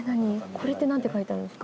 これってなんて書いてあるんですか？